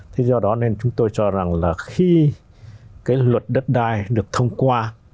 thế do đó nên chúng tôi cho rằng là khi cái luật đất đai được thông qua